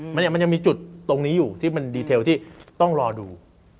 มันยังมีจุดตรงนี้อยู่ที่มันดีเทลที่ต้องรอดู